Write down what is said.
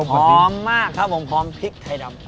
หอมมากครับผมพร้อมพริกไทยดำ